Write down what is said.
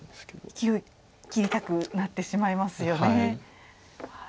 いきおい切りたくなってしまいますよね。